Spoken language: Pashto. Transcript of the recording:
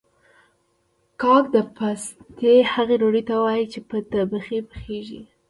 کاک د پاستي هغې ډوډۍ ته وايي چې په تبخي پخیږي